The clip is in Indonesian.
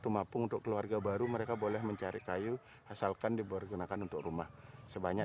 rumah pung untuk keluarga baru mereka boleh mencari kayu asalkan dipergunakan untuk rumah sebanyak